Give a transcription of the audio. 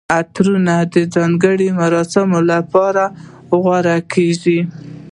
عطرونه د ځانګړي مراسمو لپاره غوره کیږي.